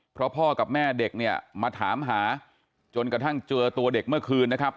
เพราะพ่อกับแม่เด็กเนี่ยมาถามหาจนกระทั่งเจอตัวเด็กเมื่อคืนนะครับ